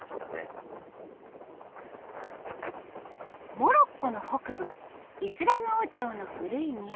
モロッコの北部イスラム王朝の古い都